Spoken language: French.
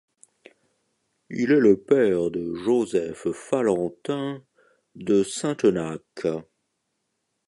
Il est le père de Joseph Falentin de Saintenac.